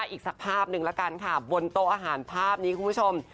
อีกสักภาพหนึ่งละกันค่ะบนโต๊ะอาหารภาพนี้คุณผู้ชม